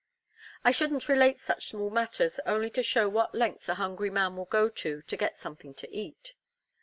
I shouldn't relate such small matters, only to show what lengths a hungry man will go to, to get something to eat.